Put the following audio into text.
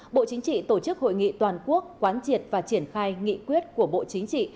bộ chính trị tổ chức hội nghị toàn quốc quán triệt và triển khai nghị quyết của bộ chính trị